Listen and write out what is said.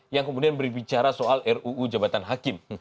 yang kemudian berbicara soal ruu jabatan hakim